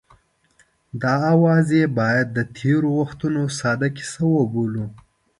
دا اوازې باید د تېرو وختونو ساده کیسه وبولو.